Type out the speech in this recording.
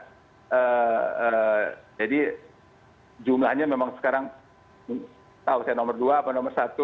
jumlahnya memang sekarang tahu saya nomor dua atau nomor satu